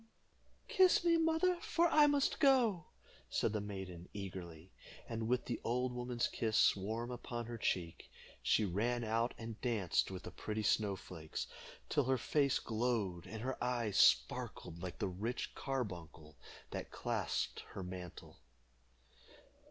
"Kiss me, mother, for I must go," said the maiden, eagerly. And with the old woman's kiss warm upon her cheek, she ran out and danced with the pretty snow flakes till her face glowed and her eyes sparkled like the rich carbuncle that clasped her mantle.